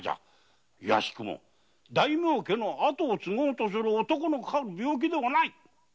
いやしくも大名家を継ごうとする男のかかる病気ではない！